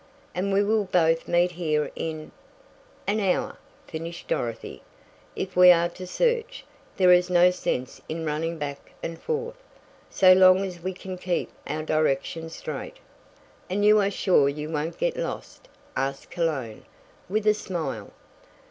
"And we will both meet here in " "An hour," finished Dorothy. "If we are to search, there is no sense in running back and forth so long as we can keep our directions straight." "And you are sure you won't get lost?" asked Cologne, with a smile.